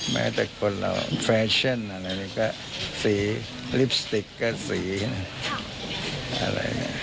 แม้แต่คนเราแฟชั่นอะไรอย่างนี้ก็สีลิปสติกก็สีอะไร